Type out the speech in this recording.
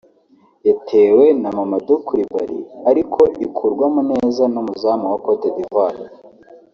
yatewe na Mamadou Coulibary ariko ikurwamo neza n’umuzamu wa Cote d’Ivoire